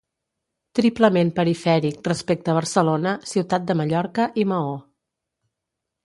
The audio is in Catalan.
Triplement perifèric respecte a Barcelona, Ciutat de Mallorca i Maó.